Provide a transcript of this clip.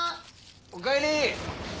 おかえり！